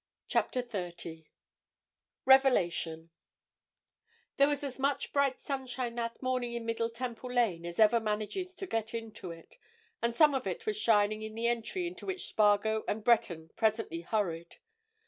CHAPTER THIRTY REVELATION There was as much bright sunshine that morning in Middle Temple Lane as ever manages to get into it, and some of it was shining in the entry into which Spargo and Breton presently hurried.